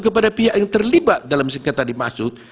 kepada pihak yang terlibat dalam sekitar dimaksud